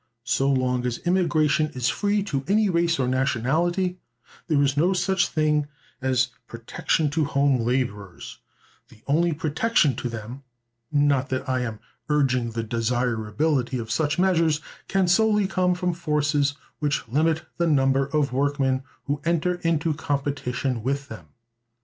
So long as immigration is free to any race or nationality, there is no such thing as "protection to home laborers"; the only protection to them—not that I am urging the desirability of such measures—can come solely from forces which limit the number of workmen who enter into competition with them.